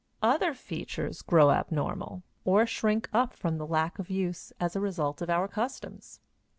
Other features grow abnormal, or shrink up from the lack of use, as a result of our customs.